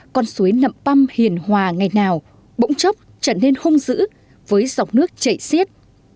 con suối nậm păm hiền hòa ngày nào bỗng chốc trở nên hung dữ với dọc nước chảy xiết